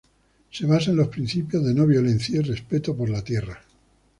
Se basa en los principios de No violencia y respeto por la Tierra.